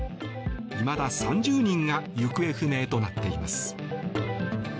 いまだ３０人が行方不明となっています。